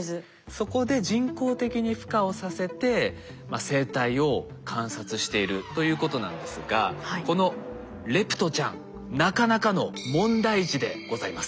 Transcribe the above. そこで人工的にふ化をさせて生態を観察しているということなんですがこのレプトちゃんなかなかの問題児でございます。